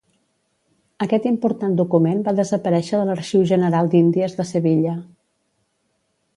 Aquest important document va desaparèixer de l'Arxiu General d'Índies de Sevilla.